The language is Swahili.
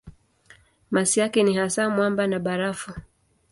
Masi yake ni hasa mwamba na barafu.